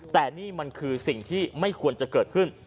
แต่นี่มันคือสิ่งที่ไม่ควรจะเกิดขึ้น